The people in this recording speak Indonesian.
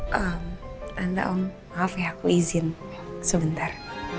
tante om maaf ya aku izin sebentar